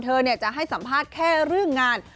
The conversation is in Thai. เธอจะให้สัมภาษณ์แค่เรื่องงาน